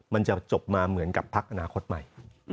มันจะจบมาเหมือนกับพักอนาคตใหม่